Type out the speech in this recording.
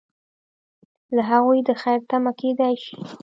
له هغوی د خیر تمه کیدای شي.